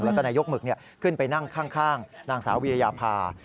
แล้วก็นายกหมึกขึ้นไปนั่งข้างนางสาววิรยาภา